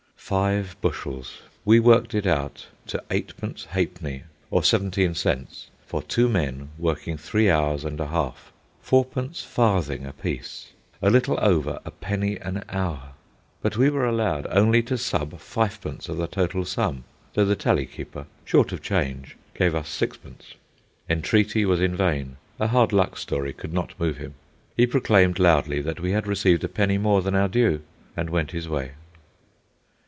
Five bushels! We worked it out to eight pence ha'penny, or seventeen cents, for two men working three hours and a half. Fourpence farthing apiece! a little over a penny an hour! But we were allowed only to "sub" fivepence of the total sum, though the tally keeper, short of change, gave us sixpence. Entreaty was in vain. A hard luck story could not move him. He proclaimed loudly that we had received a penny more than our due, and went his way.